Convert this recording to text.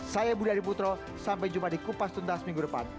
saya budi adiputro sampai jumpa di kupas tuntas minggu depan